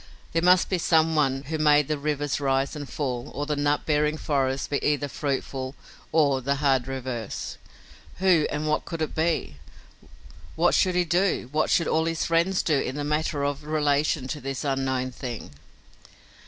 There must be some one who made the river rise and fall or the nut bearing forest be either fruitful or the hard reverse. Who and what could it be? What should he do, what should all his friends do in the matter of relation to this unknown thing?